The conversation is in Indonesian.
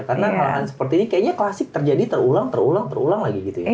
karena hal hal seperti ini kayaknya klasik terjadi terulang terulang terulang lagi gitu ya